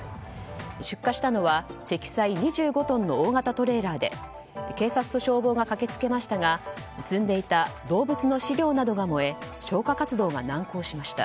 出火したのは、積載２５トンの大型トレーラーで警察と消防が駆けつけましたが積んでいた動物の飼料などが燃え消火活動が難航しました。